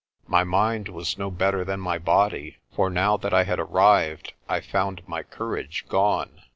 My mind was no better than my body, for now that I had arrived I found my courage gone.